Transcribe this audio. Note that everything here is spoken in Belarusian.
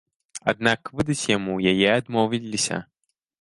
Аднак выдаць яму яе адмовіліся.